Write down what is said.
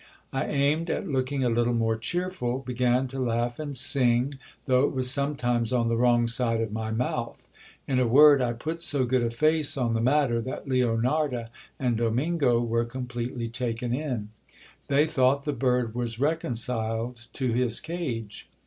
I aimed at looking a little more cheerful ; began to laugh and sing, though it was some times on the wrong side of my mouth ; in a word, I put so good a face on the matter, that Leonarda and Domingo were completely taken in. They thought the bird was reconciled to his cage.